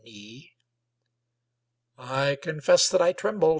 I confess that I trembled.